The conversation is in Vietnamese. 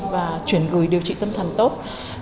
và chuyển gửi điều trị tâm thần tốt